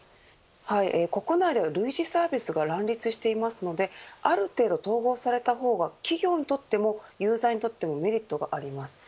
国内では類似サービスが乱立していますのである程度統合された方が企業にとってもユーザーにとってもメリットがあります。